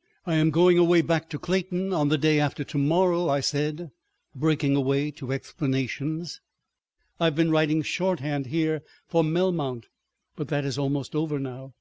..." "I am going away back to Clayton on the day after to morrow," I said, breaking away to explanations. "I have been writing shorthand here for Melmount, but that is almost over now.